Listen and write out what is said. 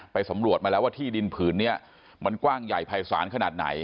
สำรวจมาแล้วว่าที่ดินผืนนี้มันกว้างใหญ่ภายศาลขนาดไหน